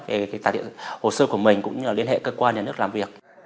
cái tài liệu hồ sơ của mình cũng như liên hệ cơ quan nhà nước làm việc